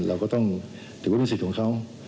เราก็ต้องถือว่าเป็นสิทธิ์ของเขา